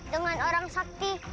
dengan orang sakti